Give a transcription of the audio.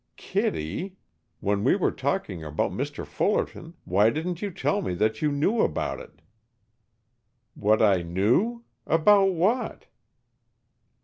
"Kittie, when we were talking about Mr. Fullerton, why didn't you tell me what you knew about it?" "What I knew? About what?"